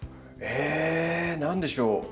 え何でしょう？